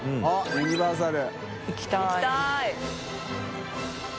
「ユニバーサル」┐